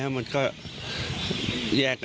อีกสักครู่เดี๋ยวจะ